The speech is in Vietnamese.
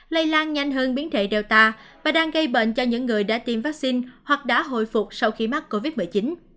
lây lan nhanh hơn biến thể data và đang gây bệnh cho những người đã tiêm vaccine hoặc đã hồi phục sau khi mắc covid một mươi chín